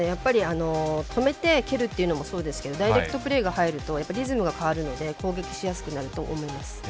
止めて蹴るっていうのもそうですけどダイレクトプレーが入るとリズムが変わるので攻撃しやすくなると思います。